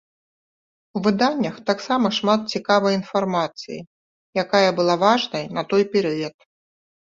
У выданнях таксама шмат цікавай інфармацыі, якая была важнай на той перыяд.